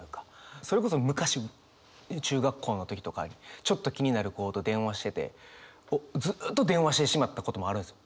それこそ昔中学校の時とかちょっと気になる子と電話しててずっと電話してしまったこともあるんですよ。